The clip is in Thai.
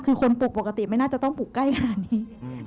คือคนปลูกปกติไม่น่าจะต้องปลูกใกล้ขนาดนี้